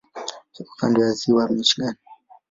Iko kando ya Ziwa Michigan.